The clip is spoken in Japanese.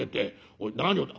おい何をだ